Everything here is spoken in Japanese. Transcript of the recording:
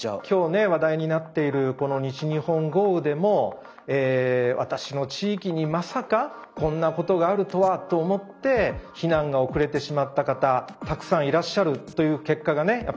今日ね話題になっているこの西日本豪雨でも私の地域にまさかこんなことがあるとはと思って避難が遅れてしまった方たくさんいらっしゃるという結果がね